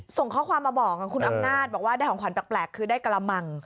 ส่งข้อความมาบอกคุณอำนาจบอกว่าได้ของขวัญแปลกคือได้กระมัง